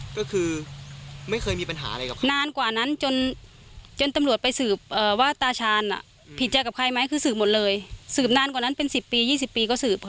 ก็คือไม่เคยมีปัญหาอะไรกับใครนานกว่านั้นจนตำรวจไปสืบว่าตาชาญผิดใจกับใครไหมคือสืบหมดเลยสืบนานกว่านั้นเป็น๑๐ปี๒๐ปีก็สืบค่ะ